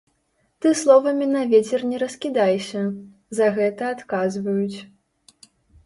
Ты словамі на вецер не раскідайся, за гэта адказваюць.